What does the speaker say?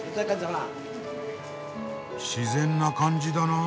自然な感じだなあ。